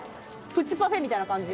プチパフェみたいな感じ。